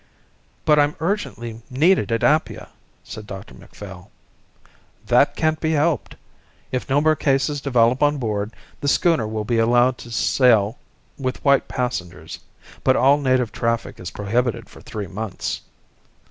"But I'm urgently needed at Apia," said Dr Macphail. "That can't be helped. If no more cases develop on board, the schooner will be allowed to sail with white passengers, but all native traffic is prohibited for three months."